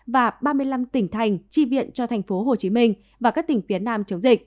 và ba mươi năm tỉnh thành tri viện cho tp hcm